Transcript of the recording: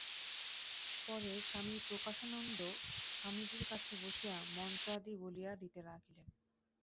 পরে স্বামী প্রকাশানন্দ স্বামীজীর কাছে বসিয়া মন্ত্রাদি বলিয়া দিতে লাগিলেন।